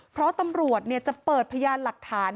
เพราะตำรวจจะเปิดพยานหลักฐาน